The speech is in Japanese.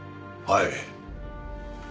はい。